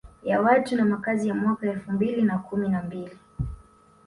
Ya watu na makazi ya mwaka elfu mbili na kumi na mbili